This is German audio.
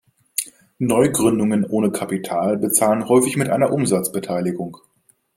Neugründungen ohne Kapital bezahlen häufig mit einer Umsatzbeteiligung.